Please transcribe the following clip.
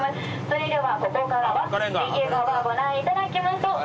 それではここからは右側ご覧いただきましょう。